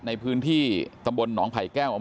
ในพื้นที่ตำบลหนองไผ่แก้ว